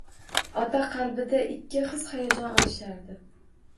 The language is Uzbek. Ota qalbida ikki his-hayajon olishardi.